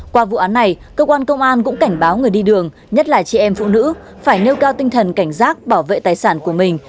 qua vụ án này cơ quan công an cũng cảnh báo người đi đường nhất là chị em phụ nữ phải nêu cao tinh thần cảnh giác bảo vệ tài sản của mình